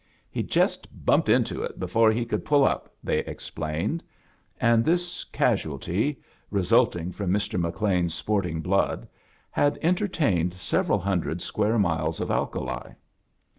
"He jest btimped into H before he could puU up," they explained; and this casual tYt resulting from Mr. McLean's sporting blood, had entertained several hundred square miles of alkali.